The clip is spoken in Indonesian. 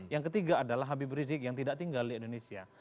yang ketiga adalah habib rizik yang tidak tinggal di indonesia